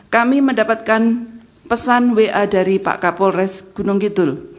kami mendapatkan pesan wa dari pak kapolres gunung kidul